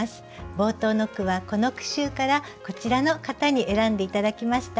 冒頭の句はこの句集からこちらの方に選んで頂きました。